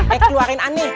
eh keluarin ani